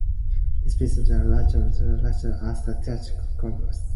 This piece is the largest and longest of Jarrett's efforts as a classical composer.